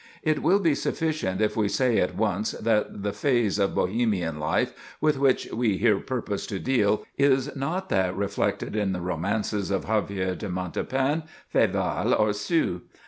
It will be sufficient if we say at once that the phase of Bohemian life with which we here purpose to deal is not that reflected in the romances of Xavier de Montépin, Féval, or Sue.